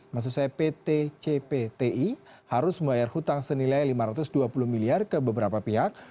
maksud saya pt cpti harus membayar hutang senilai lima ratus dua puluh miliar ke beberapa pihak